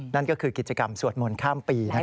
นั่นก็คือกิจกรรมสวดมนต์ข้ามปี